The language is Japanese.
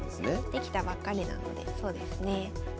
できたばっかりなのでそうですね。